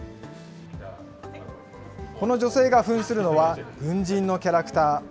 この女性がふんするのは、軍人のキャラクター。